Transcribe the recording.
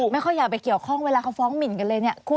ไม่ค่อยอยากไปเกี่ยวข้องเวลาเขาฟ้องมิล